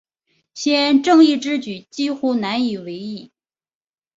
先正之义举几乎难为继矣。